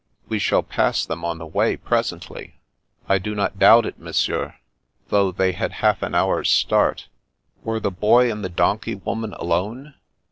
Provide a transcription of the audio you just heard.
" We shall pass them on the way presently." " I do not doubt it, Monsieur, though they had half an hour's start." "Were the boy and the donkey woman alone?